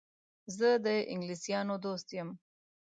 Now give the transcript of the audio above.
زه د انګلیسیانو دوست یم.